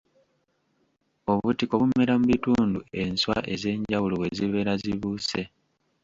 Obutiko bumera mu bitundu enswa ez'enjawulo we zibeera zibuuse.